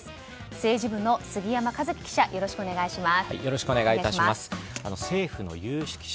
政治部の杉山和希記者